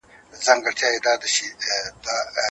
د دې سفر ملګري شئ.